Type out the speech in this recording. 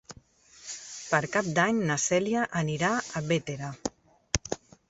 Per Cap d'Any na Cèlia anirà a Bétera.